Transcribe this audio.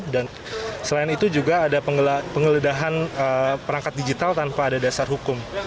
dan selain itu juga ada pengeledahan perangkat digital tanpa ada dasar hukum